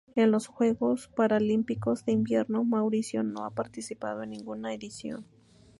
En los Juegos Paralímpicos de Invierno Mauricio no ha participado en ninguna edición.